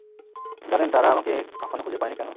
জানেন তারা আমাকে কখনো খুঁজে পায়নি কেন?